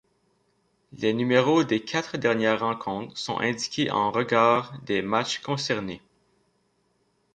Les numéros des quatre dernières rencontres sont indiqués en regard des matches concernés.